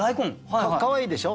かわいいでしょう？